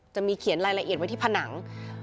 จะมีเขียนรายละเอียดไว้ที่ผนัง